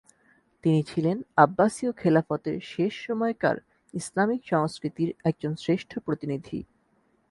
তিনি ছিলেন আব্বাসিয় খেলাফতের শেষ সময়কার ইসলামিক সংস্কৃতির একজন শ্রেষ্ঠ প্রতিনিধি।